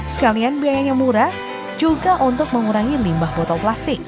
sekalian biayanya murah juga untuk mengurangi limbah botol plastik